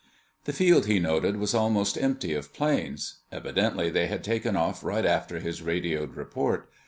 The field, he noted, was almost empty of planes. Evidently they had taken off right after his radioed report.